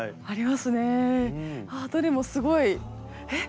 ああどれもすごいえっ？